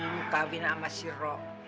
ini kabin sama si rum